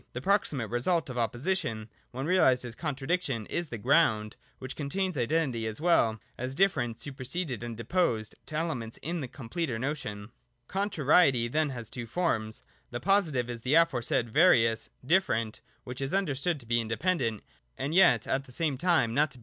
The proximate result of opposition (when realised as con tradiction) is the Ground, which contains identity as well as difference superseded and deposed to elements in the com pleter notion. 120. j Contrariety then has two forms. The Positive is the aforesaid various (different) which is understood to be independent, and yet at the same not to be 224 THE DOCTRINE OF ESSENCE. [120, 121.